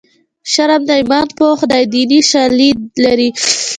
شرم د ایمان پوښ دی دیني شالید لري